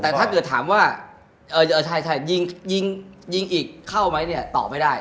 แต่ถ้าเกิดถามว่าใช่ยิงยิงอีกเข้าไหมเนี่ยตอบไม่ได้